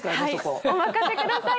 お任せください。